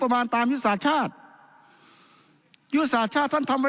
ประมาณตามยุทธศาสตร์ชาติยุทธศาสตร์ชาติท่านทำไว้